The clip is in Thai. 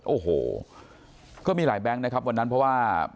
โอ้โหก็มีหลายแบงค์นะครับวันนั้นเพราะว่า